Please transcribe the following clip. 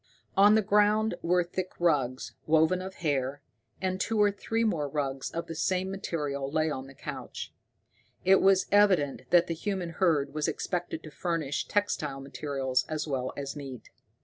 On the ground were thick rugs, woven of hair, and two or three more rugs of the same material lay on the couch. It was evident that the human herd was expected to furnish textile materials as well as meat.